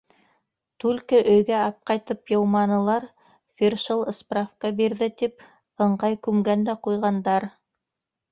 Түлке өйгә апҡайтып йыуманылар, фиршыл справка бирҙе тип, ыңғай күмгән дә ҡуйғандар...